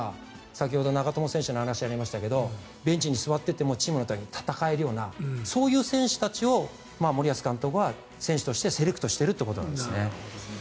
先ほど長友選手の話がありましたがベンチに座っていてもチームのために戦えるようなそういう選手たちを森保監督は選手としてセレクトしていると。